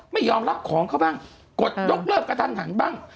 ไม่ยอมรับของเขาบ้างกดยกเลิกกระทันหันบ้าง